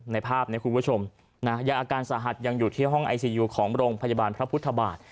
ในภาพนี้คุณผู้ชมยังอาการสาหัสยังอยู่ที่ห้องไอซียูของโรงพยาบาลพระพุทธบาท